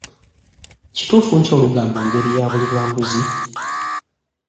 Kituufu nti olugambo ngeri ya buli bwa nguzi?